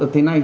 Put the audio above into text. ở thế này